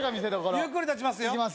ゆっくり立ちますよ。